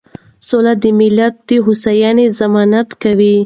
سوله د ملت د هوساینې ضمانت کوي.